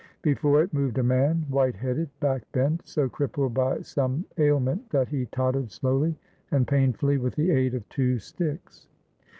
Before it moved a man, white headed, back bent, so crippled by some ailment that he tottered slowly and painfully with the aid of two sticks.